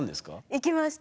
行きました。